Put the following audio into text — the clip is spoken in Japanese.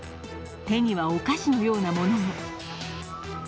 手にはお菓子のようなものも。